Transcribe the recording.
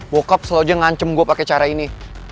bokap selalu aja ngancem gue pake cara ini